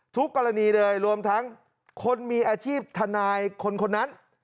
ทุกกรณีเลยรวมทั้งคนมีอาชีพทนายคนนั้น